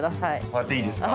割っていいですか？